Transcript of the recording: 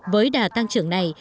với đà tăng trưởng này